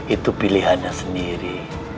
itu pilihannya sendiri